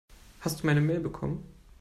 Hast du meine Mail bekommen?